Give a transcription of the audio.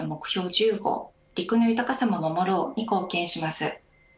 １５陸の豊かさも守ろうに貢献しています。